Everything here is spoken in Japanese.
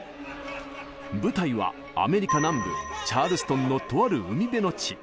舞台はアメリカ南部チャールストンのとある海辺の地。